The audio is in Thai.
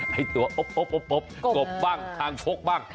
ในตัวปบกบบ้างคางโพกบ้าง